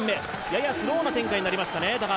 ややスローな展開になりましたね。